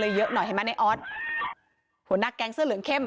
เยอะหน่อยเห็นไหมในออสหัวหน้าแก๊งเสื้อเหลืองเข้ม